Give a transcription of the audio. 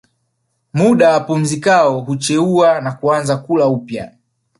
Muda apumzikao hucheua na kuanza kula upyaa